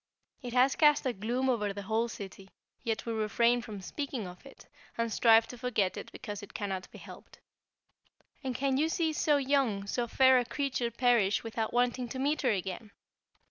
It has cast a gloom over the whole city, yet we refrain from speaking of it, and strive to forget it because it cannot be helped." "And can you see so young, so fair a creature perish without wanting to meet her again?"